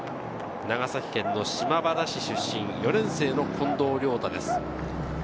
長崎県島原市出身、４年生の近藤亮太です。